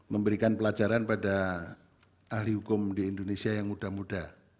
memberikan pelajaran pada ahli hukum di indonesia yang muda muda